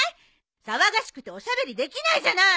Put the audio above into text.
騒がしくておしゃべりできないじゃない。